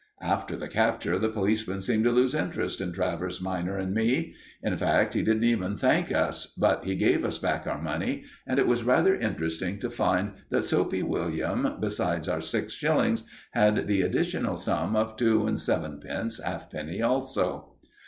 After the capture, the policeman seemed to lose interest in Travers minor and me. In fact, he didn't even thank us, but he gave us back our money, and it was rather interesting to find that Soapy William, besides our six shillings, had the additional sum of two and sevenpence halfpenny also.